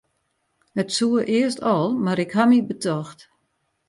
It soe earst al, mar ik haw my betocht.